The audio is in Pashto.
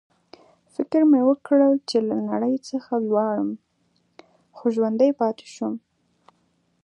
فکر مې وکړ چې له نړۍ څخه ولاړم، خو ژوندی پاتې شوم.